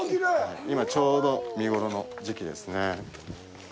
今、ちょうど見ごろの時期ですね。